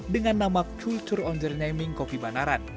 dengan nama kulturondernaming kopi banaran